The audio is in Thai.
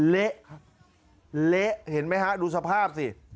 เละเห็นไหมฮะดูสภาพสิ